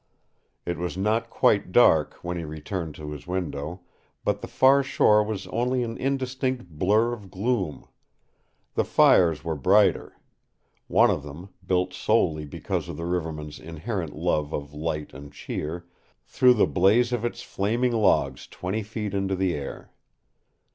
It was not quite dark when he returned to his window, but the far shore was only an indistinct blur of gloom. The fires were brighter. One of them, built solely because of the rivermen's inherent love of light and cheer, threw the blaze of its flaming logs twenty feet into the air.